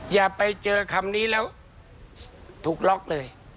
อย่าไปเจอคำนี้แล้วถูกล็อกเลย